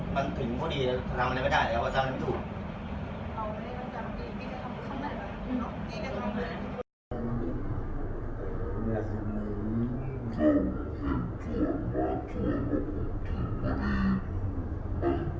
ถ้าทำอะไรไม่ได้ดายแล้วว่าทำไม่ถูก